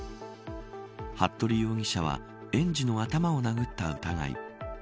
服部容疑者は園児の頭を殴った疑い。